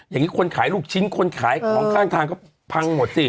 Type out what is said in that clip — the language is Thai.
อย่างนี้คนขายลูกชิ้นคนขายของข้างทางก็พังหมดสิ